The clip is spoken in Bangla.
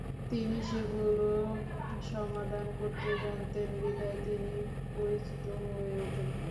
তিনি সেগুলো সমাধান করতে জানতেন বিধায় তিনি পরিচিত হয়ে উঠেন।